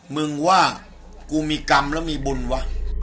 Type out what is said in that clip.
มึงว่ากูมีกรรมแล้วมีบุญวะ